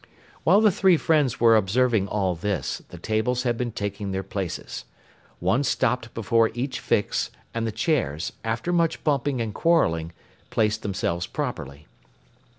While the three friends were observing all this, the tables had been taking their places. One stopped before each Fix, and the chairs, after much bumping and quarreling, placed themselves properly.